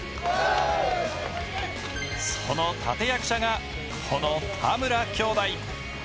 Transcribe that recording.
その立て役者がこの田村兄弟。